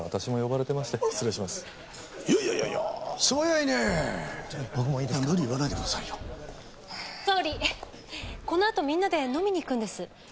総理このあとみんなで飲みに行くんです。